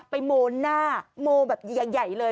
โมหน้าโมแบบใหญ่เลย